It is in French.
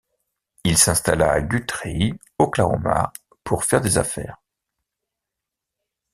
Il s'installa a Guthrie, Oklahoma, pour faire des affaires.